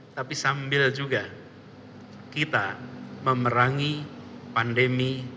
tapi sambil juga kita memerangi pandemi